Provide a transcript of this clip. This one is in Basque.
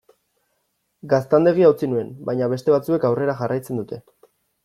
Gaztandegia utzi nuen, baina beste batzuek aurrera jarraitzen dute.